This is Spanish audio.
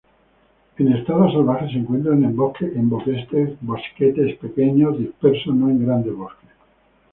En estado salvaje se encuentra en bosquetes pequeños, dispersos, no en grandes bosques.